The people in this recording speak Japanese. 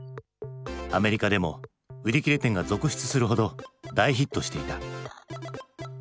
アメリカでも売り切れ店が続出するほど大ヒットしていた。